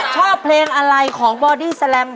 ชอบเพลงอะไรของบอดี้แลม